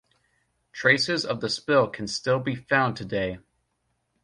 Traces of the spill can still be found today.